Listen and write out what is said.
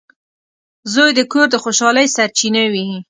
• زوی د کور د خوشحالۍ سرچینه وي.